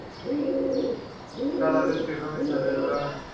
Cada vez que Cobain aceleraba, Vig pedía otra toma.